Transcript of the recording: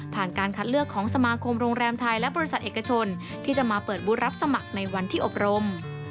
การคัดเลือกของสมาคมโรงแรมไทยและบริษัทเอกชนที่จะมาเปิดบูธรับสมัครในวันที่อบรม